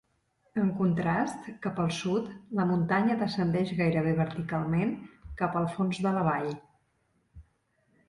En contrast, cap al sud, la muntanya descendeix gairebé verticalment cap al fons de la vall.